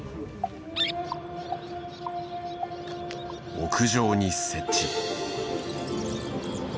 屋上に設置。